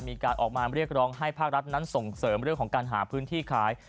มีการออกมาเรียกร้องให้ภาครัฐนั้นส่งเสริมเรื่องของการหาพื้นที่ขาย